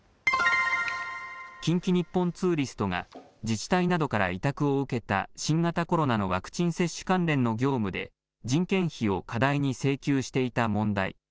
近畿日本ツーリストが自治体などから委託を受けた新型コロナのワクチン接種関連の業務で人件費を過大に請求していた問題。